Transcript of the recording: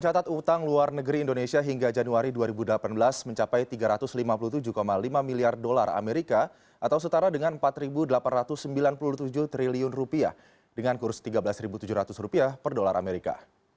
mencatat utang luar negeri indonesia hingga januari dua ribu delapan belas mencapai tiga ratus lima puluh tujuh lima miliar dolar amerika atau setara dengan rp empat delapan ratus sembilan puluh tujuh triliun rupiah dengan kurus rp tiga belas tujuh ratus per dolar amerika